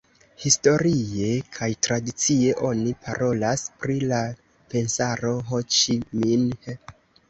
Historie kaj tradicie oni parolas pri la Pensaro Ho Ĉi Minh.